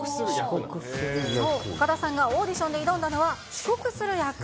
そう、岡田さんがオーディションで挑んだのは遅刻する役。